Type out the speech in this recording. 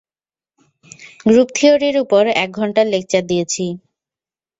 Group থিওরির ওপর এক ঘন্টার লেকচার দিয়েছি।